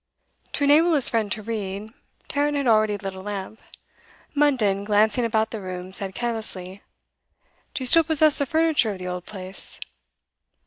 To enable his friend to read, Tarrant had already lit a lamp. Munden, glancing about the room, said carelessly: 'Do you still possess the furniture of the old place?